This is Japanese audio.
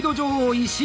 石井。